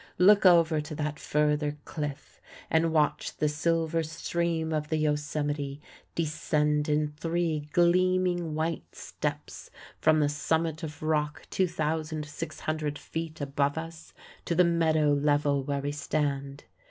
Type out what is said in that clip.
Look over to that further cliff and watch the silver stream of the Yosemite descend in three gleaming white steps from the summit of rock 2,600 feet above us to the meadow level where we stand.